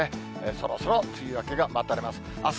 そろそろ梅雨明けが待たれます。